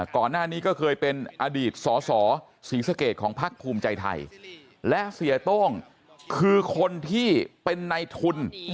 ก่อนหน้านี้ก็เคยเป็นอดีตสอสอศรีสะเกดของพักภูมิใจไทยและเสียโต้งคือคนที่เป็นในทุน